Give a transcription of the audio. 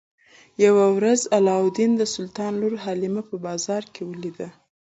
یوه ورځ علاوالدین د سلطان لور حلیمه په بازار کې ولیده.